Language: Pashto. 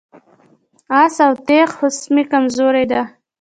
آس او تیغ هوس مې کمزوري ده.